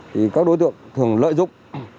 vì vậy các đối tượng thường lợi dụng